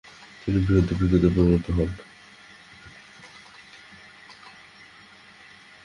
তিনি বৌদ্ধ ভিক্ষুতে পরিণত হন।